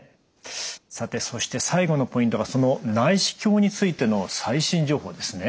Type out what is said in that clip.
さてそして最後のポイントがその内視鏡についての最新情報ですね。